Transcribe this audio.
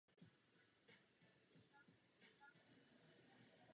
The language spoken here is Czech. Šest jednotek poté získalo Tunisko a další dvě Ghana.